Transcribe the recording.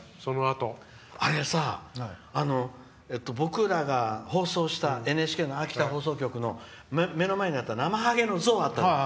あれさ、僕らが放送したＮＨＫの秋田放送局の目の前にあったなまはげの像があったじゃん。